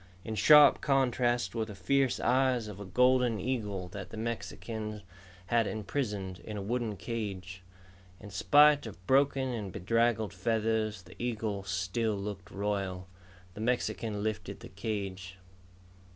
In sharp contrast were the fierce eyes of a golden eagle that the Mexican had imprisoned in a wooden cage. In spite of broken and bedraggled feathers, the eagle still looked royal. The Mexican lifted the cage.